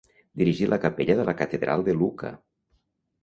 Dirigí la capella de la Catedral de Lucca.